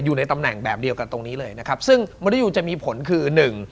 อยู่ในตำแหน่งแบบเดียวกันตรงนี้เลยนะครับซึ่งมริยูจะมีผลคือหนึ่ง